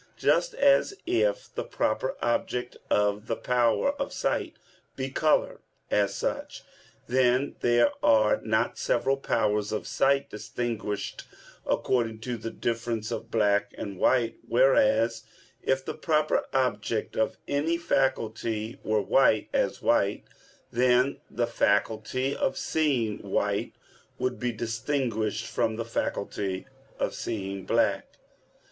Just as if the proper object of the power of sight be color as such, then there are not several powers of sight distinguished according to the difference of black and white: whereas if the proper object of any faculty were white, as white, then the faculty of seeing white would be distinguished from the faculty of seeing black.